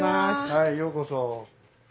はいようこそ。